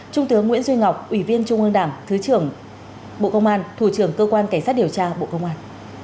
trung tướng nguyễn duy ngọc ủy viên trung ương đảng thứ trưởng bộ công an thủ trưởng cơ quan cảnh sát điều tra bộ công an